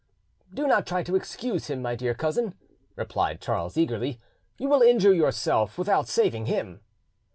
"Do not try to excuse him, my dear cousin," replied Charles eagerly; "you will injure yourself without saving him."